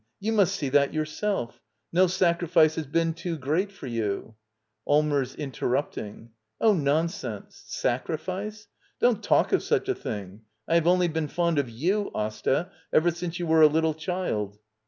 You must see that yourself. No sacrifice has been too great for you — Allmers. [Interrupting.] Oh, nonsense — sacrifice! Don't talk of such a thing — I have only been fond of you, Asta, ever since you were a little cjiild.